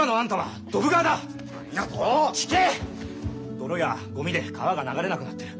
泥やゴミで川が流れなくなってる。